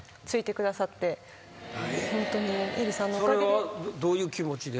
それはどういう気持ちで？